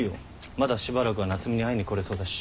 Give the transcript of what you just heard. まだしばらくは夏海に会いに来れそうだし。